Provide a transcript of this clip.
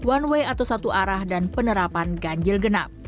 one way atau satu arah dan penerapan ganjil genap